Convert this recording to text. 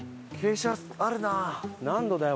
何度だよ？